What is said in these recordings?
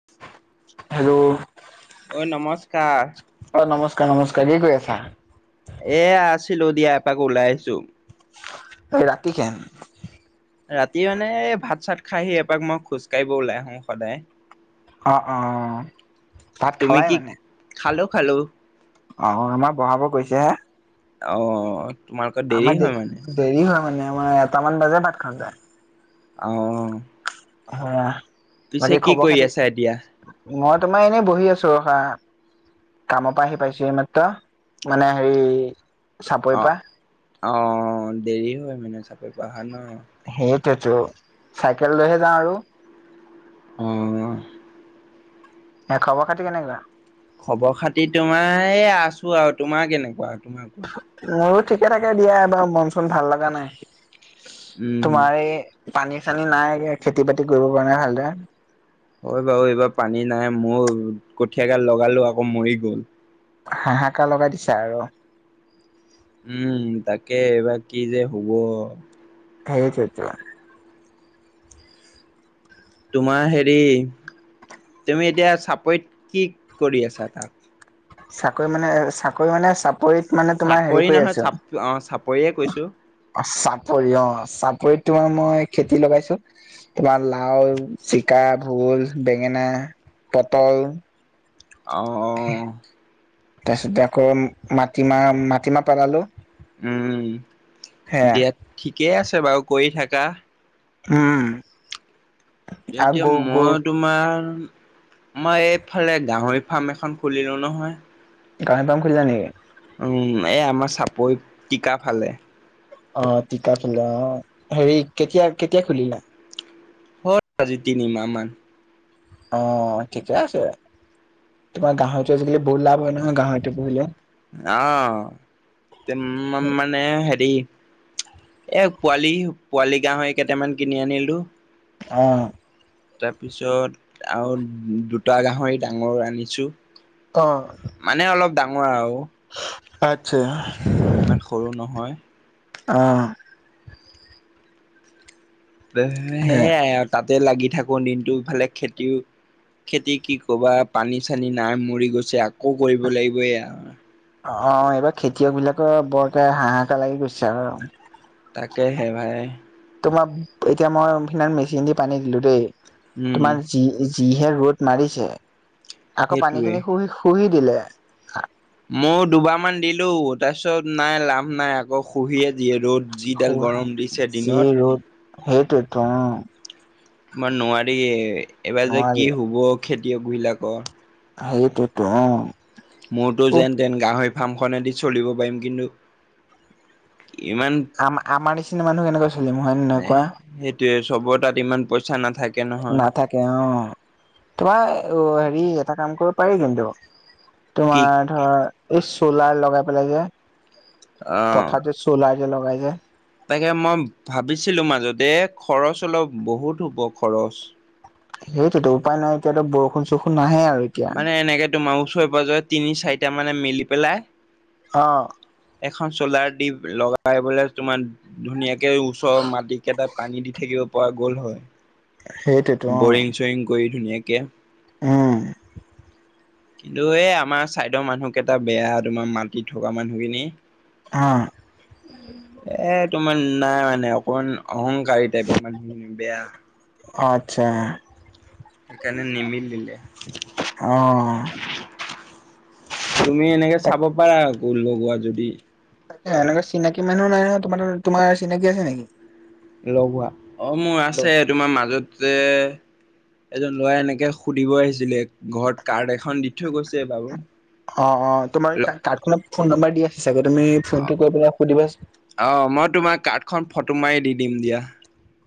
[inaudible] Hello, অ, নমস্কাৰ। অ, নমস্কাৰ নমস্কাৰ। কি কৰি আছা? এ আছিলো দিয়া এপাক ওলাই আহিছো। এই ৰাতি কেন, ৰাতি মানে এই ভাত চাত খাইহি এপাক মই খোজ কাঢ়িব ওলাই আহো সদায়। অ, অ, ভাত তুমি খালাই কি, মানে খালো-খালো। অ', আমাৰ বহাব গৈছেহে। অ, তোমালোকৰ দেৰি আমাৰ দে হয় মানে দেৰি হয় মানে আমাৰ এটামান বাজে ভাত খা যায়। অ', অ, পিছে বাকী কি খবৰ কৰি খাতি আছা এতিয়া মই তোমাৰ এনেই বহি আছো হা। কামৰ পৰা আহি পাইছো মাত্ৰ মানে হেৰি অ চাপৰিৰ পৰা। অ, দেৰি হয় মানে চাপৰি পৰা আহা ন। সেইটোতো, চাইকেল লৈহে যাওঁ আৰু। অ, খবৰ খাতি কেনেকুৱা? খবৰ খাতি তোমাৰ আছো আৰু, তোমাৰ কেনেকুৱা তোমাৰ কোৱা? মোৰো ঠিকে থাকে দিয়া এবাৰ মন চোন ভাল লগা নাই। উম তোমাৰ এই পানী চানী নাই খেতি বাতি কৰিব পৰা নাই ভালদৰে। হয় বাৰু এইবাৰ পানী নাই মোৰ কঠীয়া গাল লগালো আকৌ মৰি গল। হাহাকাৰ লগাই দিছে আৰু। উম, তাকে এইবাৰ কি যে হ'ব? সেইটোৱেটো। তোমাৰ হেৰি, তুমি এতিয়া চাপৰিত কি কৰি আছা তাত? চাকৰি মানে চাকৰি মানে চাপৰিত মানে তোমাৰ হেৰি চাকৰি কৰি নহয় আছো চাপ অ, চাপৰিয়ে কৈছো? অ', চাপৰি অ, চাপৰিত তোমাৰ মই খেতি লগাইছো। তোমাৰ লাও, জিকা, ভোল, বেঙেনা, পটল অ', অ', তাৰপিছতে আকৌ মাটিমাহ-মাটিমাহ পেলালো। উম, সেয়া দিয়া ঠিকেই আছে বাৰু কৰি থাকা। উম, এ আৰু এতিয়া গৰু গৰু মইতো তোমাৰ মই এইফালে গাহৰি ফাৰ্ম এখন খুলিলো নহয়। গাহৰি ফাৰ্ম খোলিলা নেকি? উম, আমাৰ চাপৰি টিকা ফালে। অ' টিকা অ' হেৰি কেতিয়া কেতিয়া খুলিলা? হল আজি তিনিমাহ মান। অ' ঠিকে আছে, তোমাৰ গাহৰিতো পুহিলে বহুত লাভ হয় নহয় গাহৰিত পুহিলে। অ, তেম মা মানে হেৰি এই পোৱালি-পোৱালি গাহৰি কেইটামান কিনি আনিলোঁ। অ', তাৰপিছত আৰু দুটা গাহৰি ডাঙৰ আনিছো। অঁহ, মানে অলপ ডাঙৰ আৰু আচ্ছা। ইমান সৰু নহয়। অঁহ। হে। সেয়াই আৰু তাতে লাগি থাকো দিনটো এফালে খেতিও, খেতি কি কবা পানী-চানী নাই মৰি গৈছে আকৌ কৰিব লাগিব এয়া। অ' এইবাৰ খেতিয়ক বিলাকৰ বৰকে হাহাকা লাগি গৈছে। তাকে হে ভাই। তোমাৰ এতিয়া মই অমফেলই মেচিন দি পানী দিলো দেই, উম তোমাৰ যি যিহে ৰ'দ মাৰিছে, আকৌ পানী সেইটোৱে। খিনি শুহি-শুহি দিলে। মহ দুবাৰ মান দিলো, তাৰপিছত নাই লাভ নাই আকৌ খুহিয়ে দিযে ৰ'দ যিডাল গৰম দিছে চি দিনত। ৰ'দ সেইটোৱেটো, অঁ। মই নোৱাৰি, এইবাৰ যে নোৱাৰি কি হ'ব খেতিয়ক বিলাক। সেইটোৱেতো অঁহ। মোৰতো যেন-তেন গাহৰি ফাৰ্মখনেদি চলিব পাৰিম, কিন্তু ইমান আম আমৰ নিচিনা মানুহ কেনেকুৱৈ চলিম হয়ন নহয় কোৱা? সেইটোৱে চবৰ তা'ত ইমান পইচা নাথাকে নহয় নাথাকে অঁহ। তোমাৰ অ হেৰি এটা কাম কৰিব পাৰি কিন্তু। কি তোমাৰ ধৰ এই চলাৰ লগাই পেলাই যে, আহ পথাৰতে চলাৰযে লগাই যে। তাকে মই ভাবিছিলো মাজতে, খৰচ অলপ বহুত হ'ব খৰচ। সেইটোতো উপায় নাই এতিয়াতো বৰষুণ-চৰষুণ নাহে আৰু এতিয়া মানে এনেকে তোমাৰ ওচৰে-পাজৰে তিনি-চাৰিটা মানে মিলি পেলাই অঁহ। এখন চলাৰ দি লগাই বোলে তোমাৰ ধুনীয়াকে ওচৰৰ মাটিকেইটা পানী দি থাকিব পৰা গ'ল হয়। সেইটোতো অ', বৰিং-চৰিং কৰি ধুনীয়াকে। উম, কিন্তু এই আমাৰ ছাইডৰ মানুহকেইটা বেয়া, তোমাৰ মাটিত থকা মানুহখিনি। অঁহ। এ' তোমাৰ নাই মানে, অকণমান অহংকাৰী টাইপৰ মানে মানুহ বেয়া। অঁ আচ্ছা। সেইকাৰণে নিমিলে। অ', তুমি এনেকে তাক চাব পাৰা, আকৌ লগোৱা যদি। এনেকুৱা চিনাকি মানুহ নাই নহয়। তোমাৰ তোমাৰ চিনাকি আছে নেকি? লগোৱা, অঁ মোৰ আছে। তোমাৰ মাজতে যে এজন ল'ৰা এনেকে সুধিব আহিছিলে, ঘৰত কাৰ্ড এখন দি থৈ গৈছে বাৰু। অঁহ অঁহ। তোমাৰ কাৰ্ডখনত ফোন নম্বৰ দিয়া আছে চাগে, তুমি ফোনটো কৰি পেলাই সুধিবাচোন। অঁহ মই তোমাক কাৰ্ডখন ফটো মাৰি দি দিম দিয়া।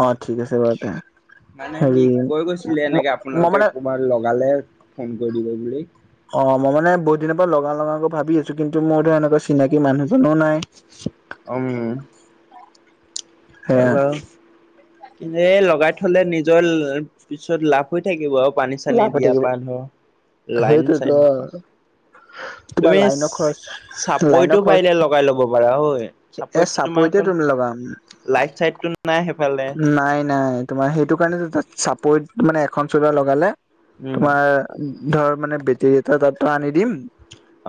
অ', ঠিক আছে বাৰু তে মানে সি হেৰি কৈ গৈছিলে এনেকে মই আপোনালোকে মানে কবাত লগালে ফোন কৰি দিব বুলি। অঁহ মই মানে বহুত দিনৰ পৰা লগাম-লগাম ভাবি আছো, কিন্তু মোৰ ধৰ এনেকে চিনাকি মানুহ-চানু নাই। উম। হয় সেয়া বাৰু, কিন্তু এই লগাই থ'লে নিজৰ পিছত লাভ হৈ থাকিব আৰু পানী-চানী লাভ হৈ দিয়াৰ থাকিব পৰা ধৰ লাইন-চাইনৰ পৰা। [unintelligible] বা তুমি লাইনৰ খৰচ, চাপৰিটো লাইনৰ খৰচ পাৰিলে লগাই ল'ব পাৰা হয় এ' চাপৰিত এতিয়া তুমি লগাম। লাইট-চাইট তো নাই সেইফালে? নাই নাই তোমাৰ সেইটো কাৰণে চাপৰিত মানে এখন চডাৰ লগালে, উম তোমাৰ ধৰ মানে বেটেৰী এটা তাতো আনি দিম।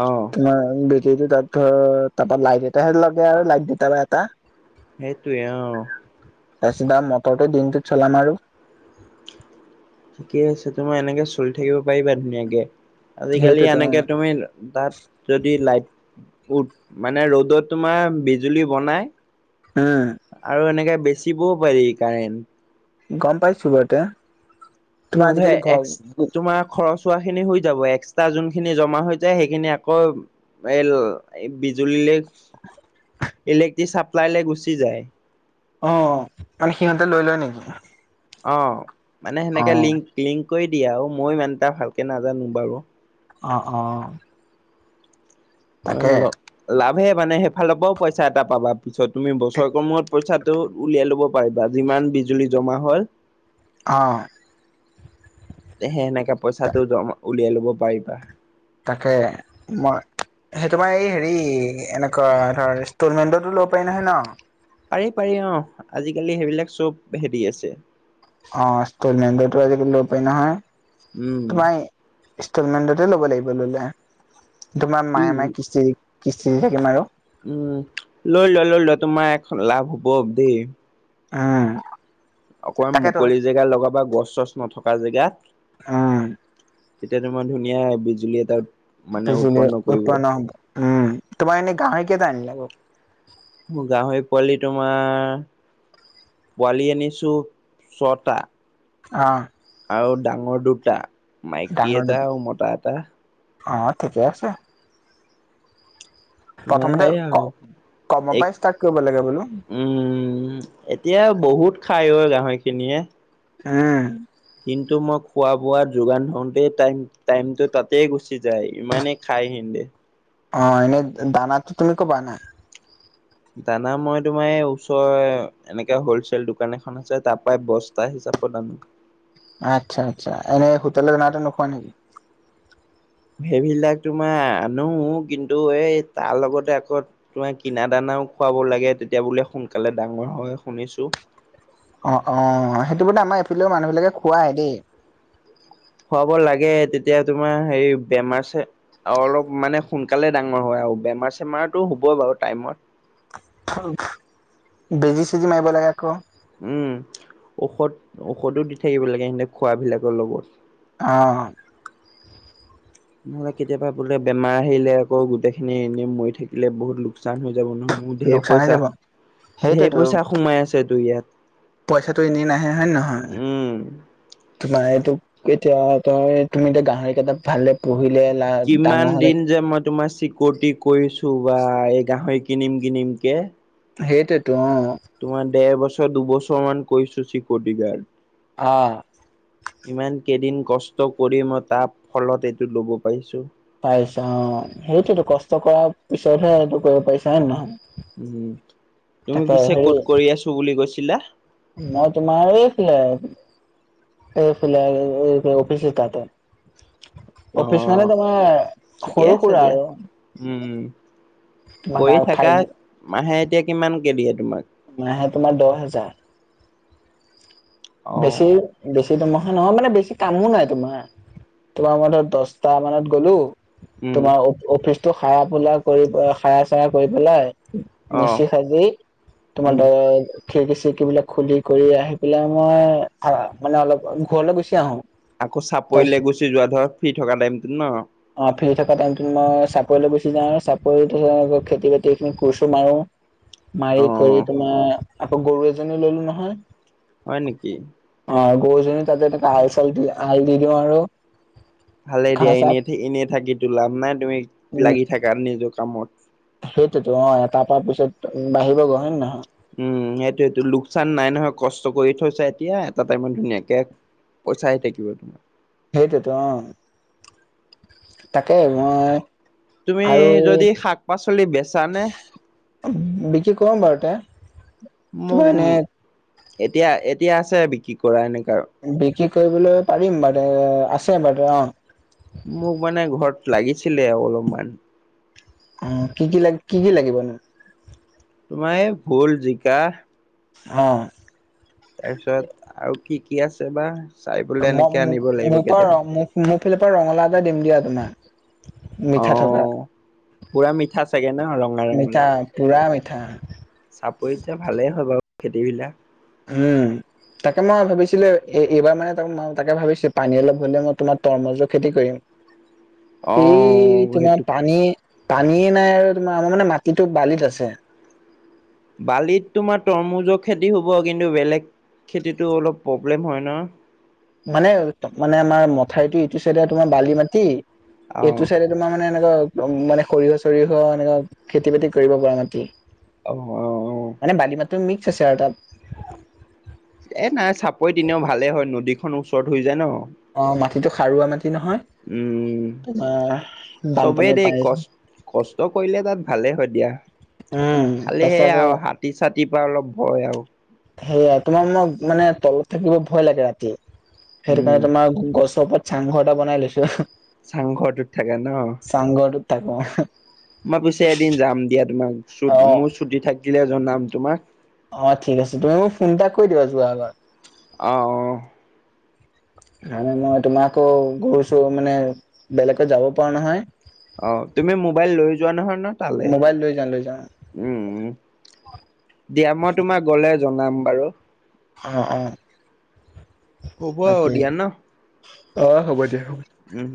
অঁ। মাৰ বেটেৰীটো তাত ধৰ তাৰপৰা লাইট এটাহে লাগে আৰু লাইট দুতা বা এটা। সেইটোৱে অ, তাৰছত [unintelligible] মটৰটো দিনটোত চলাম আৰু। ঠিকেই আছে। তোমাৰ এনেকে চলি থাকিব পাৰিবা ধুনীয়াকে। আজিকালি সেইটোতো এনেকে তুমি তা'ত যদি লাইট-উট মানে ৰ'দত তোমাৰ বিজুলী বনাই, উম আৰু এনেকে বেচিবও পাৰি কাৰেণ্ট। গম পাইছোঁ বাৰু এতিয়া। [unintelligible] এক্স তোমাৰ খৰচ খোৱা খিনি হৈ যাব এক্সট্ৰা যোনখিনি জমা হৈ যায় সেইখিনি আকৌ এল এই বিজুলীলে- ইলেক্ট্ৰি চাপলাই লে গুচি যায়। অ, মানে সিহঁতে লৈ লয় নেকি? অ, মানে অ সেনেকে লিংক-লিংক কৰি দিয়ে আৰু মইও ইমান এটা মানে ভালকে নাজানো বাৰু। অ', অ', তাকে [unintelligible] লাভে মানে সেইফালৰ পাও পইচা এটা পাবা। পিছত তুমি বছৰকৰ মূৰত পইচাটো উলিয়াই ল'ব পাৰিবা যিমান বিজুলী জমা হয়। অ', তেহে সেনেকে পইচাটো জমা উলিয়াই লব পাৰিবা। তাকে। মই সেই তোমাৰ এই হেৰি এনেকুৱা ধৰ ইনষ্টলমেন্টতটো লব পাৰি নহয় ন'? পাৰি -পাৰি অহ, আজিকালি সেইবিলাক চব হেৰি আছে। অ, ইষ্টল মেণ্টোটো আজিকালি লব পাৰি উম নহয় তোমাৰ ইষ্টলমেন্টতে ল'ব লাগিব ল'লে তোমাৰ মাহে মাহে কিস্তি -কিস্তি দি থাকিম আৰু। উম, লৈ লোৱা -লৈ লোৱা তোমাৰ এশ লাভ হব দেই। উম, অকমান তাকেতো মুকলি জেগা লগাবা গছ - চছ নথকা জেগা উম, তেতিয়া তোমাৰ ধুনীয়া বিজুলী এটা মানে পিছ উৎপন্ন [unintelligible] কৰিব উৎপন্ন হব উম, তোমাৰ এনে গাঁহৰীকেইটা আনিলা বাৰু? মোৰ গাহৰি পোৱালি তোমাৰ পোৱালি আনিছোঁ ছটা। অহ', আৰু ডাঙৰ দুটা মাইকী ডাঙৰ এটা দুটা আৰু মতা এটা। অ, ঠিকে আছে। তোমাৰ প্ৰথমতে সেই আৰু কমৰ এক পাই ষ্টাৰ্ট কৰিব লাগে বোলো। উম, এতিয়া বহুত খায় অই গাহৰিখিনিয়ে। এ কিন্তু মই খোৱা বোৱা যোগান ধৰোতেই টাইম -টাইমটো তাতেই গুচি যায় ইমানেই খাই হিন্দে। অ, এনে দানাতো তুমি কৰ পা আনা? দানা মই তোমাৰ এই ওচৰৰে। এনেকে হলচেল দোকান এখন আছে তাৰ পাই বস্তা হিচাপত আনো। আচ্ছা- আচ্ছা এনেই হোটেলৰ [unintelligible] নোখোৱা নেকি? সেইবিলাক তোমাৰ আনো কিন্তু এই তাৰ লগতে আকৌ তোমাৰ কিনা দানাও খুৱাব লাগে তেতিয়া বোলে সোনকালে ডাঙৰ হয় শুনিছোঁ। অ', অ', সেইটো মানে আমাৰ এইফেলেও মানুহ বিলাকে খোৱাই দেই। খুৱাব লাগে তেতিয়া তোমাৰ হেৰি বেমাৰছে আৰু অলপ মানে সোনকালে ডাঙৰ হয় আৰু বেমাৰ চেমাৰতো হ'বই বাৰু টাইমত। [unintelligible] বেজি চেজি মাৰিব লাগে আকৌ। উম, ঔষধ -ঔষধো দি থাকিব লাগে সেন্তে খোৱাভিলাকৰ লগত। অহ। নহ'লে কেতিয়াবা বোলে, বেমাৰ আহিলে আকৌ গোটেই খিনি এনে মৰি থাকিলে বহুত লোকচান হৈ যাব নহ। লোকচান হৈ যাব। ধেইৰ সেইটোৱেতো পইচা সোমাই আছে তো ইয়াত। পইচাটো এনেই নাহে হয়, নহয় উম। তোমাৰ এই [unintelligible] কেতিয়া তই তুমি এতিয়া গাহৰি কেইটা ভালদৰে পোহিলে কিমান দিন যে মই তোমাৰ চিক ক' ত [unintelligible] কৰিছো ৱাহ এই গাহৰি কিনিম -কিনিম কে। সেইটোতো অহ। তোমাৰ ডেৰ বছৰ দুবছৰ মান কৰিছোঁ চিকটি গাৰ্ড অঁ ইমান কেইদিন কষ্ট কৰি মই তাৰ ফলত এইটো ল'ব পাৰিছোঁ পাইছা অঁ সেইটো কষ্ট কৰ পিছতহে এইটো কৰিব পাৰিছা হয় নে নহয় উ তুমি তাকে পিছে হেৰি ক'ত কৰি আছো বুলি কৈছিলা মই তোমাৰ আছিলে। এইফালে আৰু অফিচ তাতে। অ অফিচ মানে তোমাৰ ঠিকে সৰু আছে সুৰা দিয়া। আৰু। উম তোমাৰ কৰি আৰু উঠাই। থাকা। মাহে এতিয়া কিমান কেদিয়ে তোমাক? মাহে তোমাৰ দহ হাজাৰ। অ বেছি। বেছি দৰমহা নহয় মানে বেছি কামো নাই তোমাৰ তোমাৰ মানে দহটা মানত গলো। উম তোমাৰ অফিচতো সাৰা পোলা কৰি সাৰা চাৰা কৰি পেলাই। অ মচি সাজি তোমাৰ উম। দ খিৰিকি চিৰিকিবিলাক খুলি কৰি আহি পেলাই। মই আহ মানে অলপ ঘৰলৈ গুচি আহো। আকৌ চাপৰিলে তাৰপিছত গুচি যোৱা ধৰক ফ্ৰী থকা টাইমটোত ন। অ ফ্ৰী থকা টাইমতত মই চাপৰিলৈ গুচি যাওঁ চাপৰি খেতি বাতি খিনি কোৰ ছোৰ মাৰো। অ মাৰি কৰি তোমাৰ আকৌ গৰু এজনী ললো নহয়। হয় নেকি? অ গৰুজনী তাতে এনে আল চাল দি আল দি দিওঁ আৰু। ভালে ঘাঁহ দিয়া চাহ এনেই এনেই থাকি তো লাভ নাই তুমি উম, লাগি থাকা নিজৰ কামত। সেইটোতো অ এটা পা পিছত বাঢ়িবগৈ, হয় নে নহয়? উম সেইটো এটো লোকচান নাই নহয়, কষ্ট কৰি থৈছা এতিয়া এটা টাইমত ধুনীয়াকে। পইচা আহি থাকিব তোমাৰ। সেইটোৱেইটো অ। তাকেই মই তুমি আৰু। যদি শাক পাচলি বেচানে বিক্ৰী কৰম বাৰু তে। মোক তোমাৰ উ এনে এতিয়া এতিয়া আছে বিক্ৰী কৰা এনেকা, বিক্ৰী কৰিবলৈ পাৰিম মানে আছে মানে অ। মোক মানে ঘৰত লাগিছিলে আৰু অলপমান। অ কি কি লাগ কি কি লাগিব নো? তোমাৰ এই ভোল জিকা। হা। তাৰপিছত আৰু কি কি আছে বা। চাই পেলাই এনেকে আনিব লাগিব মোৰ পৰা কেইটামান। মোৰ ফালৰ পৰা ৰঙালাউ এটা দিম দিয়া তোমাক। অ মিঠা থকা পুৰা মিঠা চাগে ন ৰঙা মিঠা ৰঙলাও পুৰা মিঠা। চাপৰিত যে ভালেই হয় বাৰু খেতিবিলাক। উ'ম। তাকে মই ভাবিছিলোঁ এইবাৰ মানে ত তাকে ভাবিছিলোঁ পানী অলপ হ'লে মই তোমাৰ তৰমুজৰ খেতি কৰিম। [unintelligible] এই অ' তোমাৰ সেইটো পানী পানীয়ে নাই আৰু তোমাৰ আমাৰ মানে মাটিতো বালিত আছে। বালিত তোমাৰ তৰমুজৰ খেতি হ'ব কিন্তু বেলেগ খেতিতো অলপ প্ৰব্লেম হয় ন। মানে মানে আমাৰ মথাইতটো ইটো চাইডে তোমাৰ বালি মাটি অ' এইটো চাইডে- তোমাৰ মানে এনেকুৱা উম মানে সৰিয়হ চৰিয়হ এনেকুৱা খেতি বাতি কৰিব পৰা মাটি। অঁ অঁ। মানে ভাতটো [unintelligible] মিক্স আছে আৰু তাত। এ নাই চাপৰিত ইনেও ভালে হয় নদী খনৰ ওচৰত হৈ যায় ন। অ মাটিতো সাৰুৱা মাটি নহয় উম তোমাৰ চবেই বানপানীৰ দেই পাই। কষ্ট কষ্ট কৰিলে তাত ভালেই হয় দিয়া উম খালি তাৰপিছত সে আকৌ আৰু হাত। হাতীৰ চাতি পৰা অলপ ভয় আৰু। সেয়াই তোমাৰ মোক মানে তলত থাকিব ভয় লাগে, ৰাতি সেইটো উম কাৰণে তোমাৰ গছৰ ওপৰত। চাংঘৰ এটা বনাই লৈছো। চাংঘৰটোত থাকে ন। চাংঘৰটো থাকো। মই পিছে এদিন যাম দিয়া তোমাক। অ মোৰ ছুটি থাকিলে জনাম তোমাক। অঁ ঠিক আছে। তুমি মোক ফোন এটা কৰি দিবা যোৱা আগত। অঁ অঁ। মানে মই তোমাকো গৈছো মানে বেলেগে যাব পৰা নহয়। অঁ তুমি মোবাইল লৈ যোৱা নহয় ন। তালে মোবাইল লৈ যাওঁ লৈ যাওঁ, উম দিয়া মই তোমাক গলে জনাম বাৰু অঁ অঁ হ'ব আৰু তাকে দিয়া ন অঁ হ'ব দিয়া হ'ব। উম।